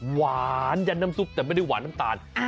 หวานยันน้ำซุปแต่ไม่ได้หวานน้ำตาล